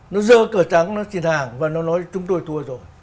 nó rơ cờ trắng nó xin hàng và nó nói chúng tôi thua rồi